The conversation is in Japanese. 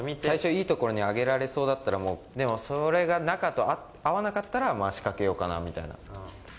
最初いい所に上げられそうだったら、でもそれが中と合わなかったら、仕掛けようかなみたいな。